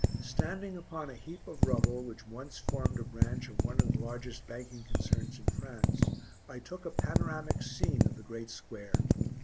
Standing upon a heap of rubble, which once formed a branch of one of the largest banking concerns in France, I took a panoramic scene of the great square.